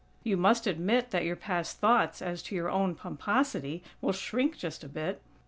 You must admit that your past thoughts as to your own pomposity will shrink just a bit!